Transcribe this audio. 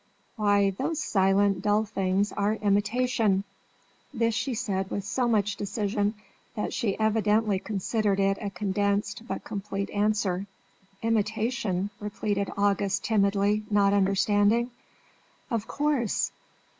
Why, those silent, dull things are imitation." This she said with so much decision that she evidently considered it a condensed but complete answer. "Imitation?" repeated August, timidly, not understanding. "Of course!